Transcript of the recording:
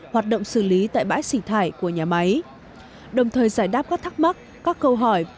hoạt động xử lý tại bãi xỉ thải của nhà máy đồng thời giải đáp các thắc mắc các câu hỏi